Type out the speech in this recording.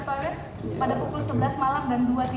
pada pukul sebelas malam dan dua tiga puluh pagi